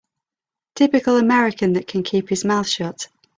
Typical American that can keep his mouth shut.